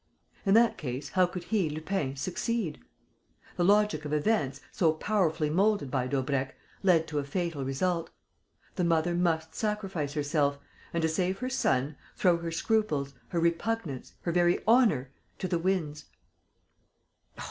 In that case, how could he, Lupin, succeed? The logic of events, so powerfully moulded by Daubrecq, led to a fatal result: the mother must sacrifice herself and, to save her son, throw her scruples, her repugnance, her very honour, to the winds!